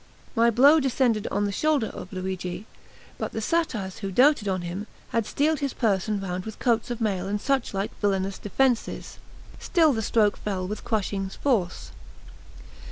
My blow descended on the shoulder of Luigi; but the satyrs who doted on him, had steeled his person round with coasts of mail and such like villainous defences; still the stroke fell with crushing force.